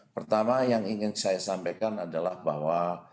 pertama yang ingin saya sampaikan adalah bahwa